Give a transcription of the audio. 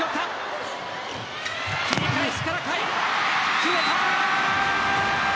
決めた。